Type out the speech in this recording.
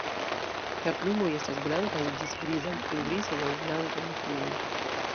La plumoj estas blankaj ĝis grizaj kun grizaj aŭ blankaj makuloj.